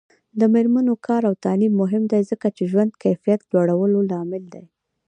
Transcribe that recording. د میرمنو کار او تعلیم مهم دی ځکه چې ژوند کیفیت لوړولو لامل دی.